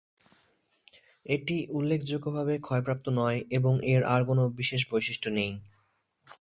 এটি উল্লেখযোগ্যভাবে ক্ষয়প্রাপ্ত নয় এবং এর আর কোনো বিশেষ বৈশিষ্ট্য নেই।